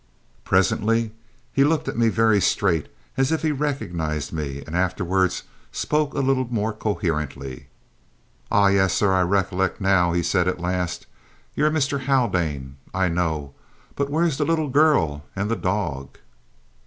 Presently he looked at me very straight as if he recognised me, and afterwards spoke a little more coherently. "Ah, yes, sir, I recollect now," he said at last. "You're Mr Haldane, I know; but where's the little girl and the the dog?"